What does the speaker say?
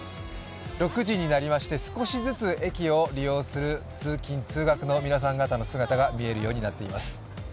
６時になりまして、少しずつ駅を利用する通勤・通学の皆さん方の姿が見えるようになっています。